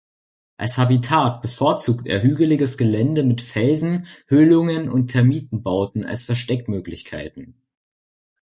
Als Habitat bevorzugt er hügeliges Gelände mit Felsen, Höhlungen und Termitenbauten als Versteckmöglichkeiten.